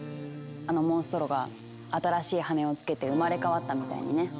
あのモンストロが新しい羽をつけて生まれ変わったみたいにね。